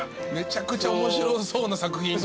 めちゃくちゃ面白そうな作品。